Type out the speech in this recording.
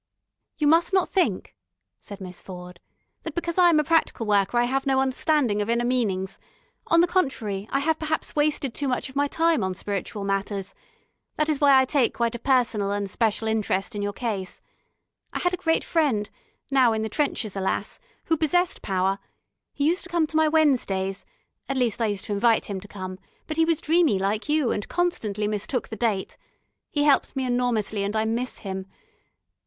"You must not think," said Miss Ford, "that because I am a practical worker I have no understanding of Inner Meanings. On the contrary, I have perhaps wasted too much of my time on spiritual matters. That is why I take quite a personal and special interest in your case. I had a great friend, now in the trenches, alas, who possessed Power. He used to come to my Wednesdays at least I used to invite him to come, but he was dreamy like you and constantly mistook the date. He helped me enormously, and I miss him....